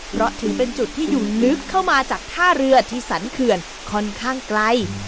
เพราะถือเป็นจุดที่อยู่ลึกเข้ามาจากท่าเรือที่สรรเขื่อนค่อนข้างไกล